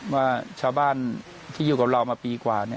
ว่าชาวบ้านที่อยู่กับเรามาปีกว่า